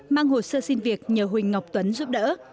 mang hồ sơ xin việc nhờ huỳnh ngọc tuấn giúp đỡ